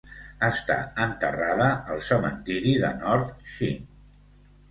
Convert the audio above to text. Està enterrada al cementiri de North Sheen.